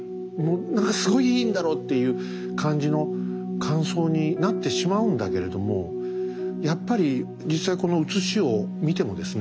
何かすごいいいんだろうっていう感じの感想になってしまうんだけれどもやっぱり実際この写しを見てもですね